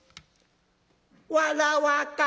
「わらわか？」。